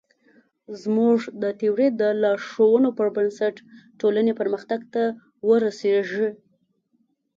زموږ د تیورۍ د لارښوونو پر بنسټ ټولنې پرمختګ ته ورسېږي.